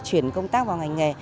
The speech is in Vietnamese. chuyển công tác vào ngành nghề